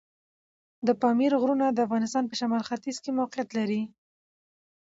د پامیر غرونه د افغانستان په شمال ختیځ کې موقعیت لري.